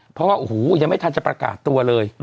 เพราะว่าโอ้โหยังไม่ทันจะประกาศตัวเลย